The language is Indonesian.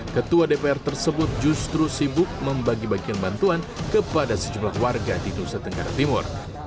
ketua dpr tersebut justru sibuk membagi bagian bantuan kepada sejumlah warga di nusa tenggara timur